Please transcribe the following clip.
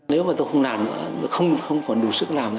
nếu mà tôi không làm nữa không còn đủ sức làm